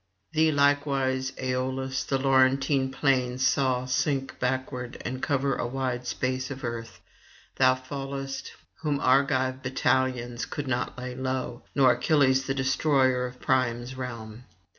Thee likewise, Aeolus, the Laurentine plains saw sink backward and cover a wide space of earth; thou fallest, whom Argive battalions could not lay low, nor Achilles the destroyer of Priam's realm.